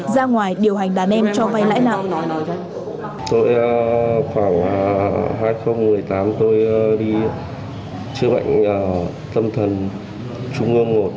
ra ngoài điều hành đàn em cho vay lãi nặng